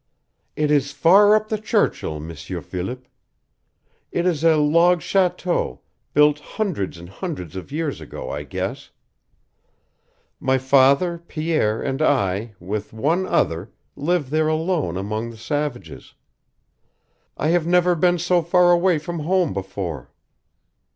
"It is far up the Churchill, M'sieur Philip. It is a log chateau, built hundreds and hundreds of years ago, I guess. My father, Pierre, and I, with one other, live there alone among the savages. I have never been so far away from home before."